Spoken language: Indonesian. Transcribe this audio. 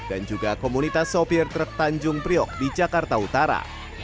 dan juga komunitas sopir truk tanjung priok di jakarta utara